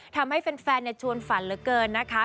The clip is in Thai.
ทำให้แฟนชวนฝันเหลือเกินนะคะ